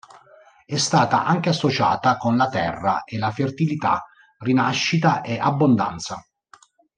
È stata anche associata con la Terra e la fertilità, rinascita e abbondanza.